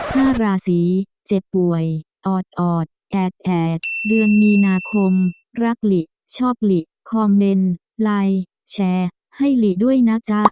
ห้าราศีเจ็บป่วยออดออดแอดแอดเดือนมีนาคมรักหลิชอบหลีคอมเมนต์ไลน์แชร์ให้หลีด้วยนะจ๊ะ